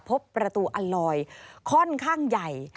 พบประตูอัลลอยค่อนข้างใหญ่